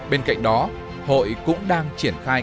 bên cạnh đó hội cũng đang triển khai